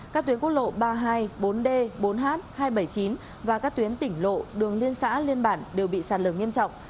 các tuyến quốc lộ ba mươi hai bốn d bốn h hai trăm bảy mươi chín và các tuyến tỉnh lộ đường liên xã liên bản đều bị sạt lở nghiêm trọng